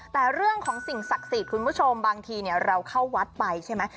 แต่เรื่องของสิ่งศักดิ์สิทธิ์คุณผู้ชมบางทีเราเข้าวัดไปใช่ไหม